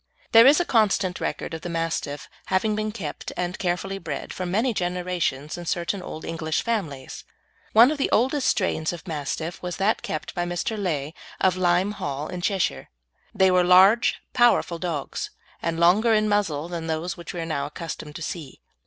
There is constant record of the Mastiff having been kept and carefully bred for many generations in certain old English families. One of the oldest strains of Mastiffs was that kept by Mr. Legh, of Lyme Hall, in Cheshire. They were large, powerful dogs, and longer in muzzle than those which we are now accustomed to see.